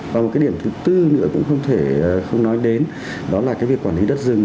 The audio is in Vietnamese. và một cái điểm thứ tư nữa cũng không thể không nói đến đó là cái việc quản lý đất rừng